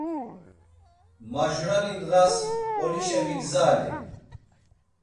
Majurani ndğas Mp̌olişe vigzali.